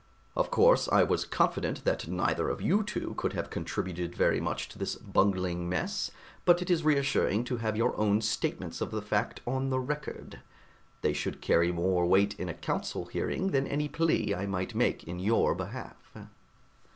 "Of course, I was confident that neither of you two could have contributed very much to this bungling mess, but it is reassuring to have your own statements of that fact on the record. They should carry more weight in a Council hearing than any plea I might make in your behalf."